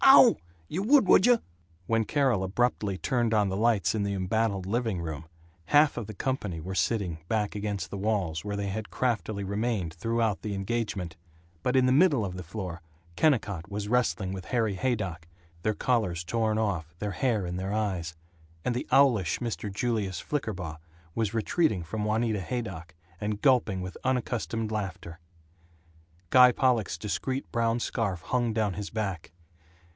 Ow! Y' would, would you!" When Carol abruptly turned on the lights in the embattled living room, half of the company were sitting back against the walls, where they had craftily remained throughout the engagement, but in the middle of the floor Kennicott was wrestling with Harry Haydock their collars torn off, their hair in their eyes; and the owlish Mr. Julius Flickerbaugh was retreating from Juanita Haydock, and gulping with unaccustomed laughter. Guy Pollock's discreet brown scarf hung down his back.